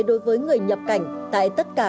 đối với người nhập cảnh tại tất cả